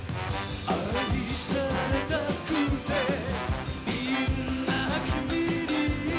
「愛されたくてみんな君に」